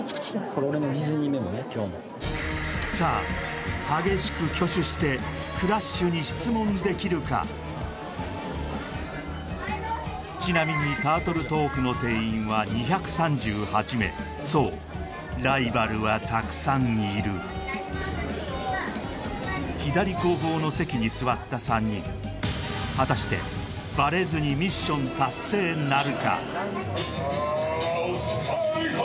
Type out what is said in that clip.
これ俺のディズニーメモねさあ激しく挙手してクラッシュにちなみにタートル・トークのそうライバルはたくさんいる左後方の席に座った３人果たしてバレずにミッション達成なるか？